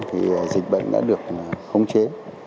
thì dịch bệnh đã được khống chế